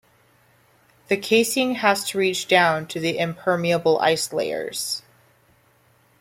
The casing has to reach down to the impermeable ice layers.